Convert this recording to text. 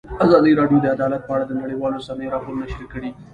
ازادي راډیو د عدالت په اړه د نړیوالو رسنیو راپورونه شریک کړي.